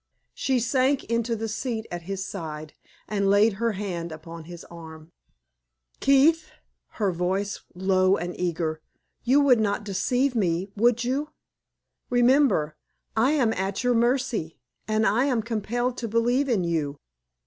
She sank into the seat at his side and laid her hand upon his arm. "Keith," her voice low and eager "you would not deceive me, would you? Remember, I am at your mercy, and I am compelled to believe in you.